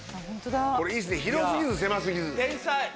これいいですね広過ぎず狭過ぎず。